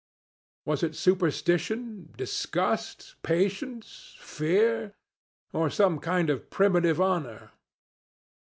Was it superstition, disgust, patience, fear or some kind of primitive honor?